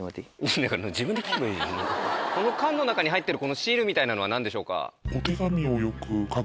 この缶の中に入ってるシールみたいなのは何でしょうか？